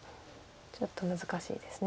ちょっと難しいです。